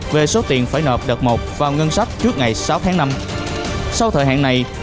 về số tiền phải nộp đợt một vào ngân sách trước ngày sáu tháng năm